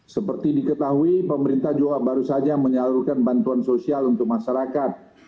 seperti diketahui pemerintah juga baru saja menyalurkan bantuan sosial untuk masyarakat